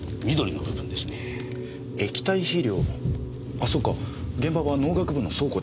ああそうか現場は農学部の倉庫でした。